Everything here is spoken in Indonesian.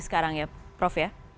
sekarang ya prof ya